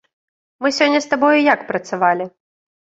Мы сёння з табою як працавалі?